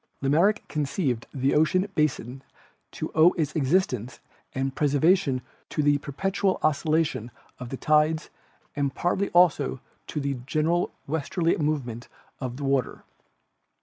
Lamarck conceived the ocean basin to owe its existence and preservation to the perpetual oscillation of the tides and partly also to a general westerly movement of the water.